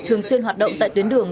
thường xuyên hoạt động tại tuyến đường